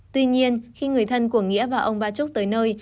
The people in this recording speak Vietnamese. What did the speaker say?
tuy nhiên khi người thân của nghĩa và ông ba trúc tới nơi